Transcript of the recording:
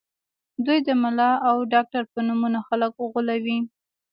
دوی د ملا او ډاکټر په نومونو خلک غولوي